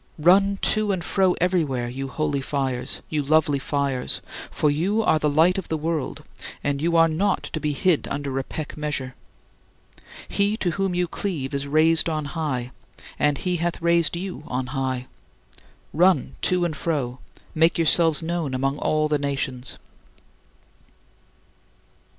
Run to and fro everywhere, you holy fires, you lovely fires, for you are the light of the world and you are not to be hid under a peck measure. He to whom you cleave is raised on high, and he hath raised you on high. Run to and fro; make yourselves known among all the nations!